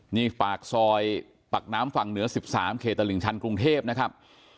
นี่ปากซอยปากน้ำฝั่งเหนือ๑๓เขตตลิ่งชันกรุงเทพนะครับ